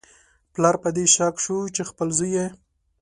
پلار په دې شاک شو چې خپل زوی یې